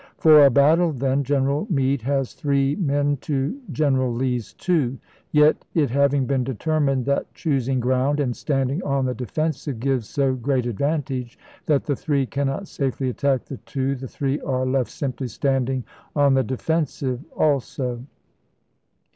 For a battle, then, General Meade has three men to General Lee's two. Yet, it having been determined that choosing ground and standing on the defensive gives so great advantage that the three cannot safely attack the two, the three are left simply standing on the defensive also.